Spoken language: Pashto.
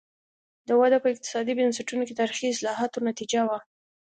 دا وده په اقتصادي بنسټونو کې تاریخي اصلاحاتو نتیجه وه.